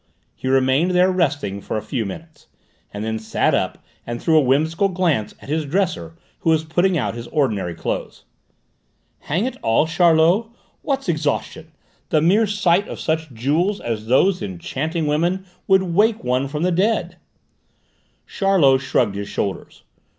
He remained there resting for a few minutes, and then sat up and threw a whimsical glance at his dresser who was putting out his ordinary clothes. "Hang it all, Charlot! What's exhaustion? The mere sight of such jewels as those enchanting women would wake one from the dead!" Charlot shrugged his shoulders.